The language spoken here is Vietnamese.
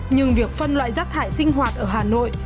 nhưng việc phân loại rác thải sinh hoạt ở hà nội